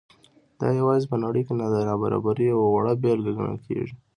دا یوازې په نړۍ کې د نابرابرۍ یوه وړه بېلګه ګڼل کېږي.